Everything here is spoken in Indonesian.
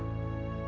hai tuh ya